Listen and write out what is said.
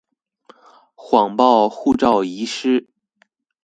謊報護照遺失